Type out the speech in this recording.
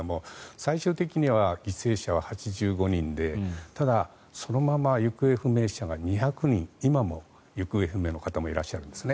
最終的には犠牲者は８５人でただ、そのまま行方不明者が２００人今も行方不明の方もいらっしゃるんです。